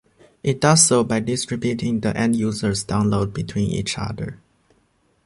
It does so by distributing the end users' downloads between each other.